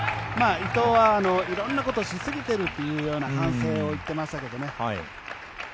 伊藤は色んなことをしすぎているというような反省を言ってましたけどね。